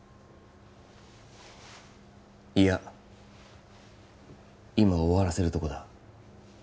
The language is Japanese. いや今終わらせるとこだ